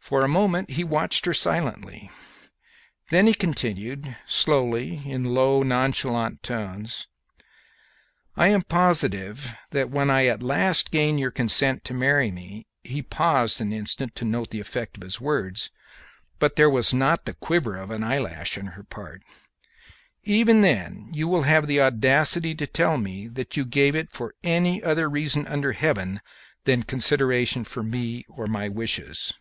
For a moment he watched her silently; then he continued slowly, in low, nonchalant tones: "I am positive that when I at last gain your consent to marry me," he paused an instant to note the effect of his words, but there was not the quiver of an eyelash on her part, "even then, you will have the audacity to tell me that you gave it for any other reason under heaven than consideration for me or my wishes."